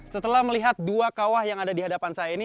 setelah melihat dua kawah yang ada di hadapan saya ini